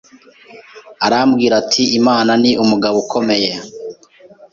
arambwira ati Imana ni umugabo ukomeye